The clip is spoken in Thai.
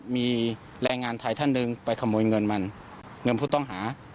มีแรงงานไทยท่านเดิมไปขโมยเงินผู้ต้องหา